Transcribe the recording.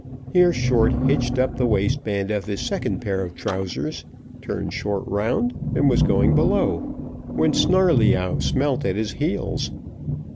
Here Short hitched up the waistband of his second pair of trousers, turned short round, and was going below, when Snarleyyow smelt at his heels.